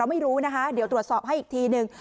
ไม่รู้นะคะเดี๋ยวตรวจสอบให้อีกทีนึง